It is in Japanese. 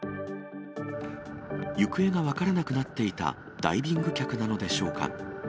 行方が分からなくなっていたダイビング客なのでしょうか。